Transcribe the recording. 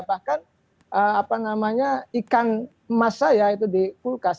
bahkan ikan emas saya itu di kulkas